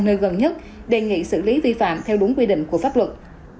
nơi gần nhất đề nghị xử lý vi phạm theo đúng quy định của pháp luật